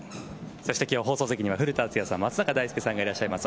そして今日放送席には古田敦也さんと松坂大輔さんがいらっしゃいます。